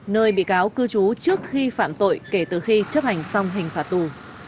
nơi bị cáo cư trú trước khi phạm tội kể từ khi chấp hành xong hình phạt tù